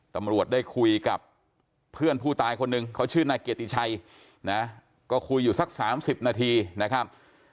ตำรวจได้คุยกับเพื่อนผู้ตายคนหนึ่งเขาชื่อนายเกียรติชัยนะก็คุยอยู่สัก๓๐นาทีนะครับ